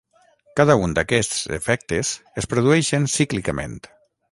Cada un d'aquests efectes es produeixen cíclicament.